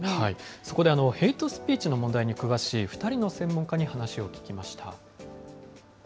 そこでヘイトスピーチの問題に詳しい、２人の専門家に話を聞きました。